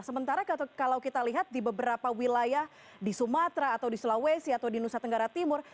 sementara kalau kita lihat di beberapa wilayah di sumatera atau di sulawesi atau di nusa tenggara timur